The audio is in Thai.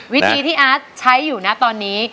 วิธีที่อาร์ตใช้อยู่นะตอนนี้